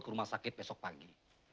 ke rumah sakit besok pagi